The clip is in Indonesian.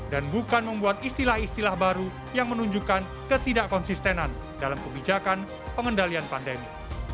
dan bukan membuat istilah istilah baru yang menunjukkan ketidak konsistenan dalam kebijakan pengendalian pandemi